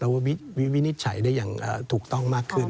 วินิจฉัยได้อย่างถูกต้องมากขึ้น